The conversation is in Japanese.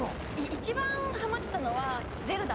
一番ハマってたのは『ゼルダ』